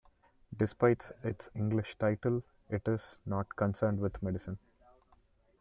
Despite its English title, it is not concerned with medicine.